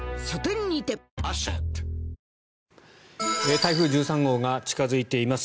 台風１３号が近付いています